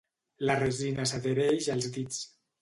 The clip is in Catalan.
La resina s'adhereix als dits.